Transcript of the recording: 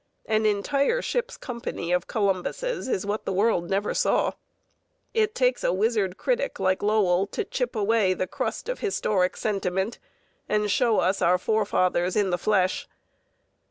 An entire ship's company of Columbuses is what the world never saw. It takes a wizard critic like Lowell to chip away the crust of historic sentiment and show us our forefathers in the flesh.